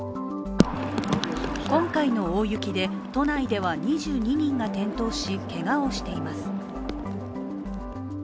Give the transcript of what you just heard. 今回の大雪で都内では２２人が転倒しけがをしています。